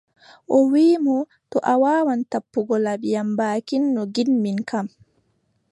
O wiʼi mo : to a waawan tappugo laɓi am baakin no ngiɗmin kam,